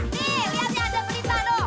nih liat ya ada berita dong